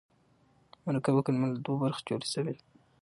مرکبه کلمه له دوو برخو څخه جوړه سوې يي.